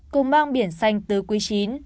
cùng mang biển xanh từ quý chín